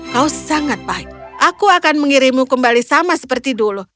kau sangat baik aku akan mengirimmu kembali sama seperti dulu